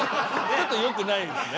ちょっとよくないですね。